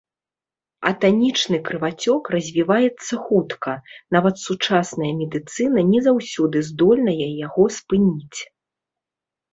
Атанічны крывацёк развіваецца хутка, нават сучасная медыцына не заўсёды здольная яго спыніць.